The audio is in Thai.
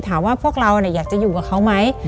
พวกเราอยากจะอยู่กับเขาไหม